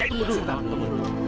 eh tunggu dulu